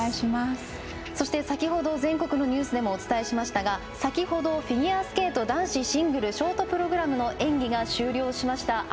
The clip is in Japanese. そして、先ほど全国のニュースでもお伝えしましたが先ほどフィギュアスケート男子シングルショートプログラムの演技が終了しました。